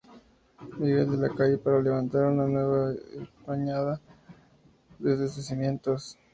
Miguel de la Calle para levantar una nueva espadaña desde sus cimientos.